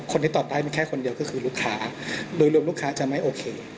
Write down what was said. คนที่ตอบได้มีแค่คนเดียวก็คือลูกค้าโดยรวมลูกค้าจะไม่โอเค